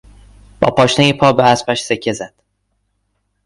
با پاشنهی پا به اسبش سکه زد.